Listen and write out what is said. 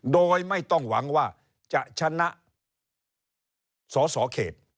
โดยไม่ต้องหวังว่าจะชนะสสเขต